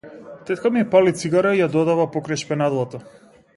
Тетка ми пали цигара и ја додава покрај шпенадлата.